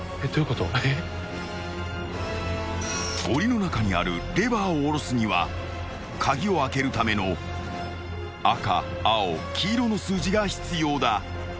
［おりの中にあるレバーを下ろすには鍵を開けるための赤青黄色の数字が必要だ］